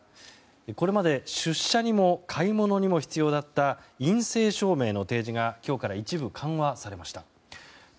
これまで出社にも買い物にも必要だった陰性証明の提示が今日から一部緩和されました。